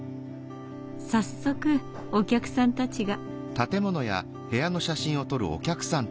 早速お客さんたちが。